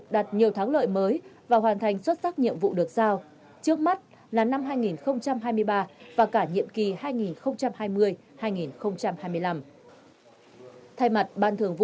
đang ngày càng bài bản